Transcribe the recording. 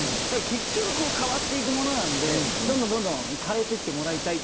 結局、変わっていくものなのでどんどん変えていってもらいたい。